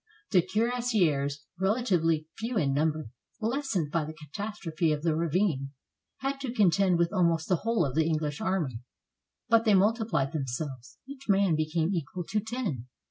The cuirassiers, relatively few in number, lessened by the catastrophe of the ravine, had to contend with almost the whole of the Enghsh army; but they multi plied^ themselves ; each man became equal to ten.